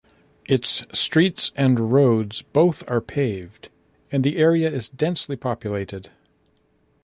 Its streets and roads both are paved and the area is densely populated.